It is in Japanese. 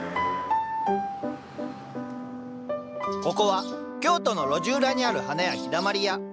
ここは京都の路地裏にある花屋「陽だまり屋」。